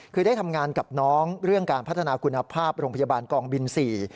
คือได้ทำงานกับน้องเรื่องการพัฒนาคุณภาพโรงพยาบาลกองบิน๔